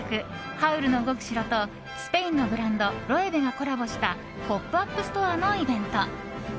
「ハウルの動く城」とスペインのブランドロエベがコラボしたポップアップストアのイベント。